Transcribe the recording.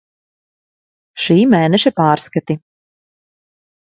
Šī mēneša pārskati.